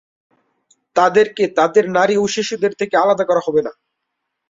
তাদেরকে তাদের নারী ও শিশুদের থেকেও আলাদা করা হবেনা।